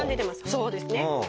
そうですね。